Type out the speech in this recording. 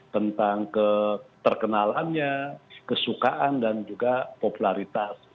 tentang keterkenalannya kesukaan dan juga popularitas